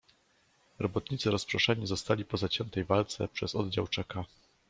"Robotnicy rozproszeni zostali po zaciętej walce przez oddział Czeka."